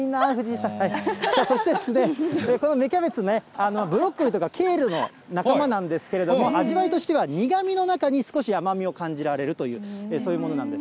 さあ、そしてこの芽キャベツね、ブロッコリーとかケールの仲間なんですけれども、味わいとしては苦みの中に少し甘みを感じられるという、そういうものなんです。